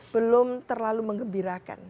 belum terlalu mengembirakan